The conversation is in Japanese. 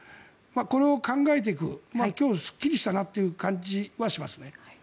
これを考えていく今日ですっきりしたなという感じがしました。